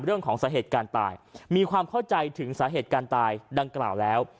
เรื่องของสาเหตุการณ์ตายมีความเข้าใจถึงสาเหตุการตายดังกล่าวแล้ว